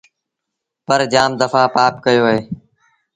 پر جآم دڦآ پآپ ڪيو اهي۔